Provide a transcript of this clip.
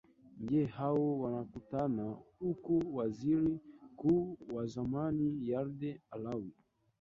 nge hao wanakutana huku waziri mkuu wa zamani yarde alawi